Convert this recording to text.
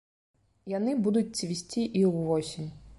Яны будуць цвісці і ўвосень.